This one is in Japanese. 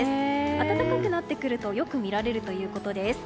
暖かくなってくるとよく見られるということです。